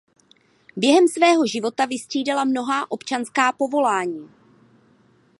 Během svého života vystřídala mnohá občanská povolání.